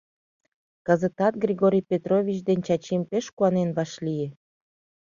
Кызытат Григорий Петрович ден Чачим пеш куанен вашлие.